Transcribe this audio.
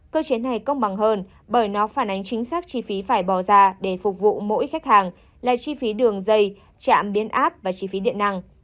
cơ chế này công bằng hơn bởi nó phản ánh chính xác chi phí phải bỏ ra để phục vụ mỗi khách hàng là chi phí đường dây chạm biến áp và chi phí điện năng